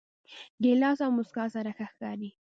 ګیلاس له موسکا سره ښه ښکاري.